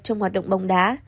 trong hoạt động bóng đá